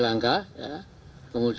tapi kita harus tarik memori